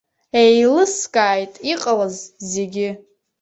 Еилыскааит иҟалаз зегьы.